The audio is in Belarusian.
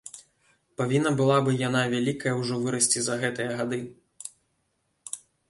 Павінна была бы яна вялікая ўжо вырасці за гэтыя гады.